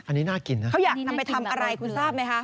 อันนี้น่ากินนะเขาอยากนำไปทำอะไรคุณทราบไหมคะ